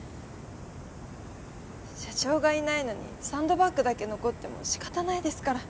社長がいないのにサンドバッグだけ残っても仕方ないですから。